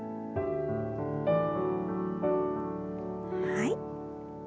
はい。